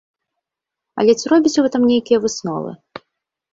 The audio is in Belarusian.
Але ці робіце вы там нейкія высновы?